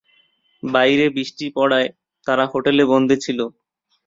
বাইরে বৃষ্টি পড়ায় তারা হোটেলে বন্দী ছিলো।